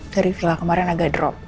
dari villa kemarin agak drop